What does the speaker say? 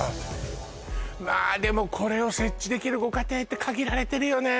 まあでもこれを設置できるご家庭って限られてるよね